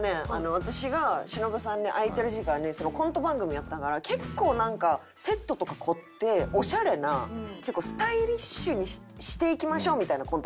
私が忍さんに空いてる時間にコント番組やったから結構なんかセットとか凝ってオシャレな結構スタイリッシュにしていきましょうみたいなコント番組やったの。